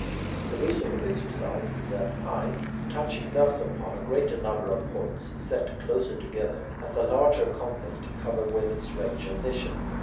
The reason for this result is that the eye, touching thus upon a greater number of points, set closer together, has a larger compass to cover with its range of vision.